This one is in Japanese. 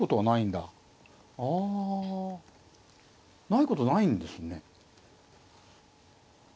ないことはないんですね。